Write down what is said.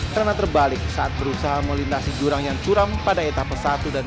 karena terbalik saat berusaha melintasi jurang yang curam pada etape satu dan tiga